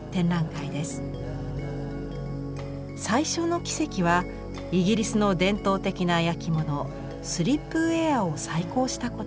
最初の奇跡はイギリスの伝統的な焼き物スリップウェアを再興したこと。